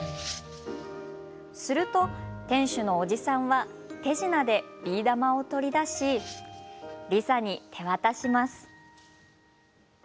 すると、店主のおじさんは手品でビー玉を取り出しリサに手渡します。